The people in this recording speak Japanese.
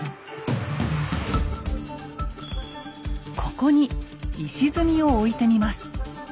ここに石積みを置いてみます。